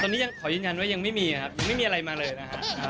ตอนนี้ยังขอยืนยันว่ายังไม่มีครับยังไม่มีอะไรมาเลยนะครับ